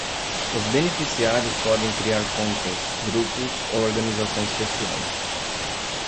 Os beneficiários podem criar contas, grupos ou organizações pessoais.